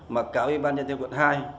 mà cả ủy ban nhân dân quận hai